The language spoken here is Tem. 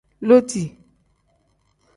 Loodi.